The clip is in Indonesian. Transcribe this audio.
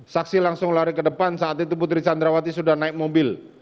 saksi langsung lari ke depan saat itu putri candrawati sudah naik mobil